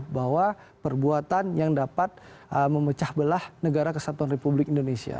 bahwa perbuatan yang dapat memecah belah negara kesatuan republik indonesia